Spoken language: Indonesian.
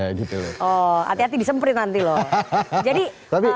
oh hati hati disemprit nanti loh